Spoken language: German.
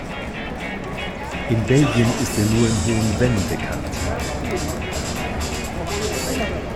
In Belgien ist er nur im Hohen Venn bekannt.